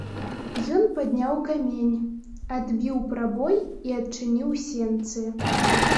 Ён падняў камень, адбіў прабой і адчыніў сенцы.